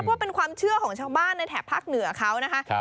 ก็เป็นความเชื่อของชาวบ้านในแถบภาคเหนือเขานะคะ